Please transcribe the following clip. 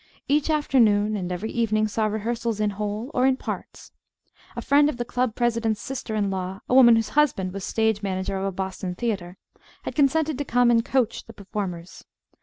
Each afternoon and every evening saw rehearsals in whole, or in parts. A friend of the Club president's sister in law a woman whose husband was stage manager of a Boston theatre had consented to come and "coach" the performers.